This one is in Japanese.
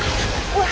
うわ！